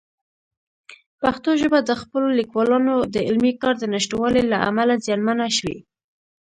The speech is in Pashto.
پښتو ژبه د خپلو لیکوالانو د علمي کار د نشتوالي له امله زیانمنه شوې.